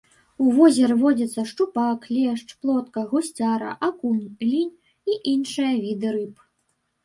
У возеры водзяцца шчупак, лешч, плотка, гусцяра, акунь, лінь і іншыя віды рыб.